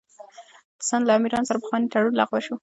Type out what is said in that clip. د سند له امیرانو سره پخوانی تړون لغوه شو.